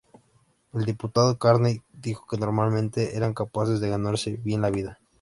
El diputado Carney dijo que normalmente eran capaces de ganarse bien la vida.